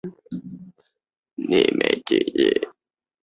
原姓为薮田改成薮田。